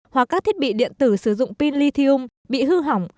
hoặc các thiết bị điện tử sử dụng pin lithium bị hư hỏng